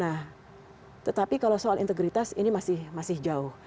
nah tetapi kalau soal integritas ini masih jauh